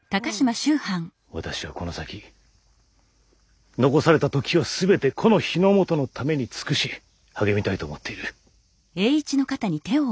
私はこの先残された時を全てこの日の本のために尽くし励みたいと思っている。